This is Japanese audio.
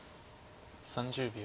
３０秒。